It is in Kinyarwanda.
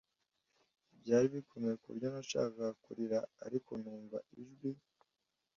Byari bikomeye ku buryo nashakaga kurira ariko numva ijwi